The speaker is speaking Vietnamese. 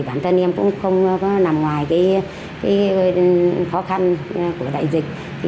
bản thân em cũng không nằm ngoài cái khó khăn của đại dịch